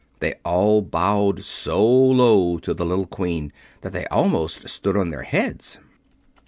They all bowed so low to the little Queen that they almost stood upon their heads.